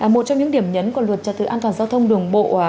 một trong những điểm nhấn của luật trật tự an toàn giao thông đường bộ